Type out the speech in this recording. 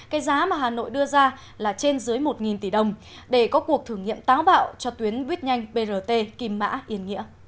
cái giá mà hà nội đưa ra là trên dưới một tỷ đồng để có cuộc thử nghiệm táo bạo cho tuyến buýt nhanh brt kim mã yên nghĩa